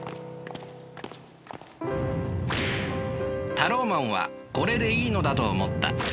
タローマンはこれでいいのだと思った。